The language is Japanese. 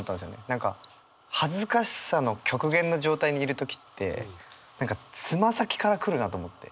何か恥ずかしさの極限の状態にいる時って何かつま先から来るなと思って。